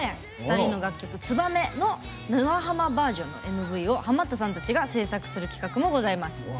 ２人の楽曲「ツバメ」の「沼ハマ」バージョンのＭＶをハマったさんたちが制作する企画もあります！